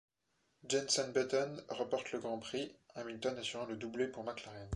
Jenson Button remporte le Grand Prix, Hamilton assurant le doublé pour McLaren.